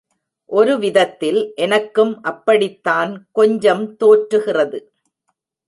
ஒருவிதத்தில் எனக்கும் அப்படித்தான் கொஞ்சம் தோற்றுகிறது.